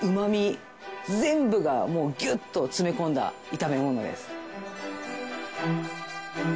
全部がもうギュッと詰め込んだ炒め物です。